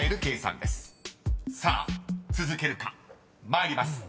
［さあ続けるか。参ります］